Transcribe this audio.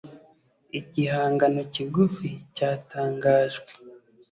igihangano kigufi cyatangajwe